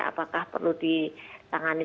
apakah perlu ditangani